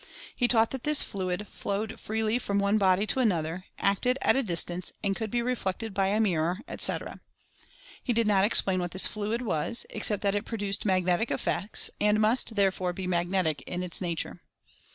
He taught that this "fluid" flowed freely from one body to another, acted at a distance, and could be reflected by a mirror, etc. The Reconciliation 41 He did not explain what this "fluid" was, except that it produced "magnetic" effects, and must therefore be magnetic in its nature.